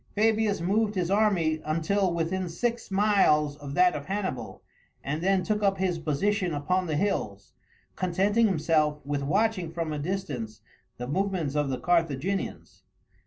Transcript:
Fabius moved his army until within six miles of that of Hannibal, and then took up his position upon the hills, contenting himself with watching from a distance the movements of the Carthaginians.